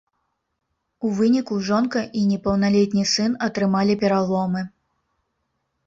У выніку жонка і непаўналетні сын атрымалі пераломы.